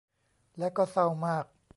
และก็เศร้ามาก